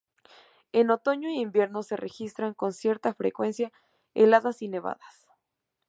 En otoño e invierno se registran con cierta frecuencia heladas y nevadas.